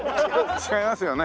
違いますよね。